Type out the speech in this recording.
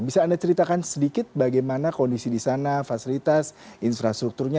bisa anda ceritakan sedikit bagaimana kondisi di sana fasilitas infrastrukturnya